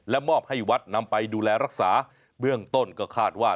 มอบให้วัดนำไปดูแลรักษาเบื้องต้นก็คาดว่า